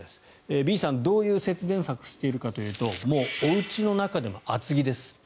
Ｂさん、どういう節電策をしているかというともうおうちの中でも厚着です。